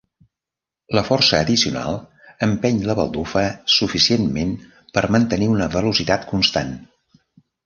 La força addicional empeny la baldufa suficientment per mantenir una velocitat constant.